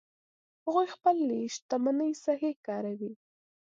هغوی خپلې شتمنۍ صحیح کاروي